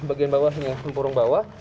bagian bawah ini tempurung bawah